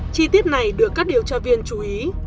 chi tiết này được các điều tra viên chú ý